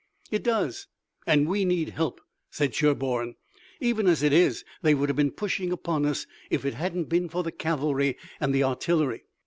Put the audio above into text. "It does, and we need help," said Sherburne. "Even as it is they would have been pushing upon us if it hadn't been for the cavalry and the artillery.